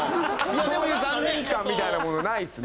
そういう残念感みたいなものないですね。